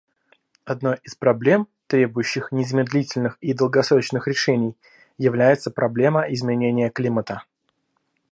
Одной из проблем, требующих незамедлительных и долгосрочных решений, является проблема изменения климата.